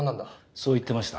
そう言ってました。